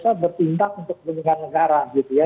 mereka bisa bertindak untuk kembangkan negara gitu ya